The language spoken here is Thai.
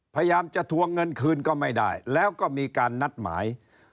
พยายามจะทวงเงินคืนก็ไม่ได้แล้วก็มีการนัดหมาย